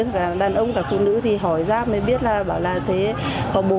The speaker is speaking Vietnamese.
các đàn ông và phụ nữ thì hỏi ra mới biết là có bốn trẻ em bốn trẻ em nữ